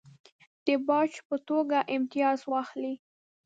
د باج په توګه امتیاز واخلي.